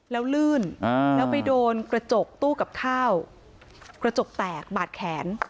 แล้วลื่นแล้วไปโดนกระจกตู้กับข้าวกระจกแตกบาดแขน